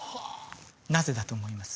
なぜだと思います？